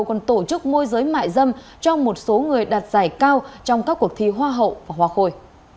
còn tổ chức môi giới mại dâm cho một số người đạt giải cao trong các cuộc thi hoa hậu và hoa khôi